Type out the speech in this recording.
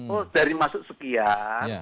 oh dari masuk sekian